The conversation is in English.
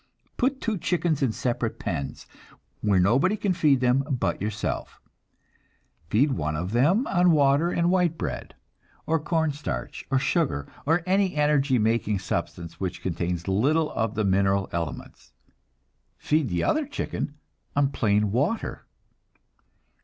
Put two chickens in separate pens, where nobody can feed them but yourself. Feed one of them on water and white bread, or corn starch, or sugar, or any energy making substance which contains little of the mineral elements. Feed the other chicken on plain water.